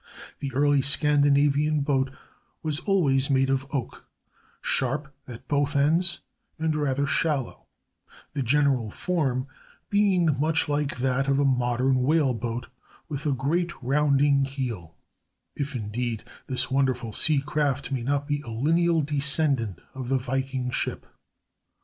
This early Scandinavian boat was always made of oak, sharp at both ends, and rather shallow, the general form being much like that of a modern whaleboat, with a great rounding keel—if, indeed, this wonderful sea craft may not be a lineal descendant of the viking ship.